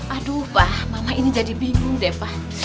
aduh pak mama ini jadi bingung deh pak